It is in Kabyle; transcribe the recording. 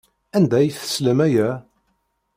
Anda ay teslam aya?